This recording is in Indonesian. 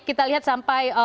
kita lihat sampai